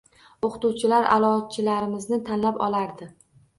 Oʻqituvchilar aʼlochilarimizni tanlab olardi.